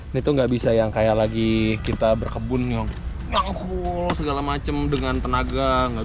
ini tuh nggak bisa yang kayak lagi kita berkebun yang nyangkul segala macem dengan tenaga nggak